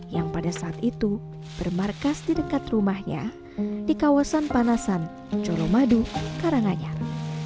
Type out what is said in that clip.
yang pada saat itu bermarkas di dekat rumahnya di kawasan panasan colomadu karanganyar